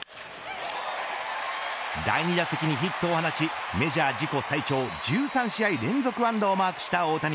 第２打席にヒットを放ちメジャー自己最長１３試合連続安打をマークした大谷。